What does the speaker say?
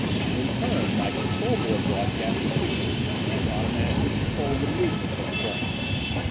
In turn my control board broadcast the signals which automatically controlled the movements of the ball.